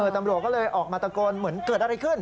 ตำรวจก็เลยออกมาตะโกนเหมือนเกิดอะไรขึ้น